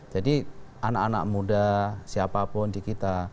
jadi anak anak muda siapapun di kita